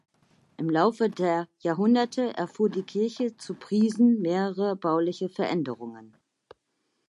Im Laufe der Jahrhunderte erfuhr die Kirche zu Priesen mehrere bauliche Veränderungen.